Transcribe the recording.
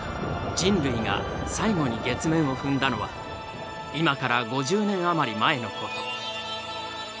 人類が最後に月面を踏んだのは今から５０年余り前のこと。